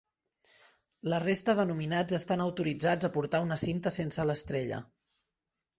La resta de nominats estan autoritzats a portar una cinta sense l'estrella.